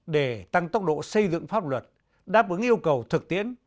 để tăng tốc độ xây dựng pháp luật đáp ứng yêu cầu thực tiễn